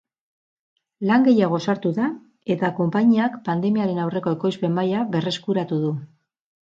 Lan gehiago sartu da eta konpainiak pandemiaren aurreko ekoizpen maila berreskuratu du.